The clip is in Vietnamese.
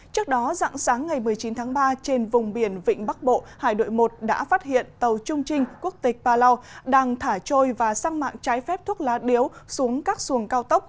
trước đó dặn sáng ngày một mươi chín tháng ba trên vùng biển vịnh bắc bộ hải đội một đã phát hiện tàu trung trinh quốc tịch palau đang thả trôi và sang mạng trái phép thuốc lá điếu xuống các xuồng cao tốc